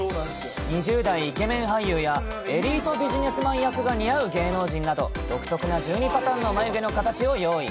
２０代イケメン俳優や、エリートビジネスマン役が似合う芸能人など、独特な１２パターンの眉毛の形を用意。